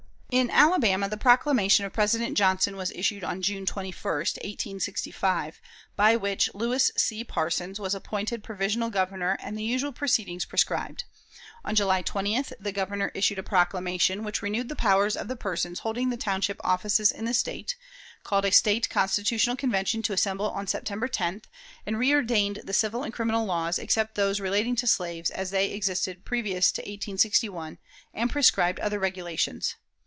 In Alabama the proclamation of President Johnson was issued on June 21, 1865, by which Lewis C. Parsons was appointed provisional Governor and the usual proceedings prescribed. On July 20th the Governor issued a proclamation, which renewed the powers of the persons holding the township offices in the State; called a State Constitutional Convention to assemble on September 10th, and reordained the civil and criminal laws, except those relating to slaves, as they existed previous to 1861, and prescribed other regulations.